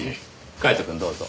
カイトくんどうぞ。